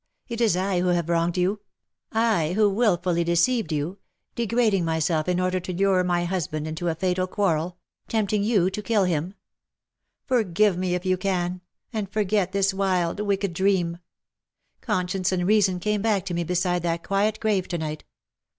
It is I who have wronged 284 cc SHE STOOD UP IN BITTER CASE^ you — I who wilfully deceived you — degrading my self in order to lure my husband into a fatal quarrel — tempting you to kill him. Forgive me, if you can — and forget this wild wicked dream. Conscience and reason came back to me beside that quiet grave to night.